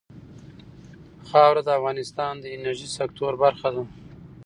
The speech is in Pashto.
خاوره د افغانستان د انرژۍ سکتور برخه ده.